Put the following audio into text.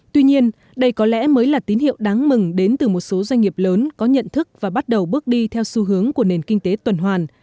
tuy nhiên đây có lẽ mới là tín hiệu đáng mừng đến từ một số doanh nghiệp lớn có nhận thức và bắt đầu bước đi theo xu hướng của nền kinh tế tuần hoàn